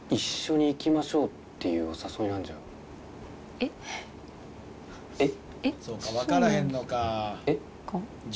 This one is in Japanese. えっ？えっ？